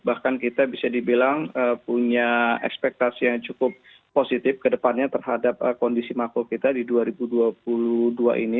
bahkan kita bisa dibilang punya ekspektasi yang cukup positif ke depannya terhadap kondisi makro kita di dua ribu dua puluh dua ini